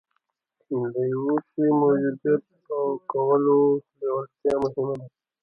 د يوه شي د موجوديت او کولو لېوالتيا مهمه ده.